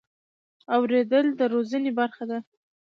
اورېدل د روزنې برخه ده.